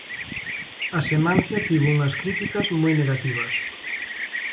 A Semancia tivo unhas críticas moi negativas.